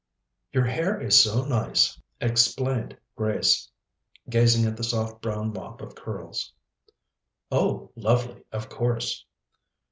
"Your hair is so nice," explained Grace, gazing at the soft brown mop of curls. "Oh, lovely, of course."